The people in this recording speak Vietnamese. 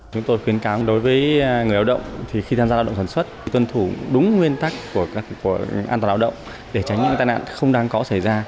chúng tôi khuyến cáo đối với người lao động khi tham gia lao động sản xuất tuân thủ đúng nguyên tắc của an toàn lao động để tránh những tai nạn không đáng có xảy ra